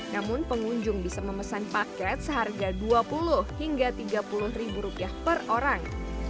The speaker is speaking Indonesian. namun pengunjung bisa memesan paket seharga dua puluh hingga tiga puluh ribu rupiah per orang